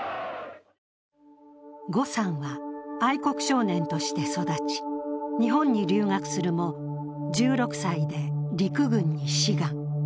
呉さんは愛国少年として育ち、日本に留学するも、１６歳で陸軍に志願。